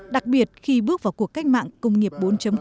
đặc biệt khi bước vào cuộc cách mạng công nghiệp bốn